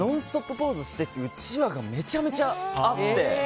ポーズしてっていううちわがめちゃくちゃあって。